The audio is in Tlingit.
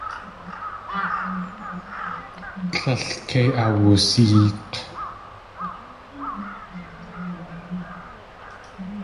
Tlél kei awusyeek̲.